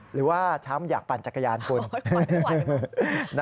หรือว่าช้ำอยากปั่นจักรยานคุณ